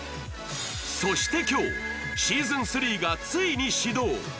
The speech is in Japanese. そして今日、シーズン３がついに指導。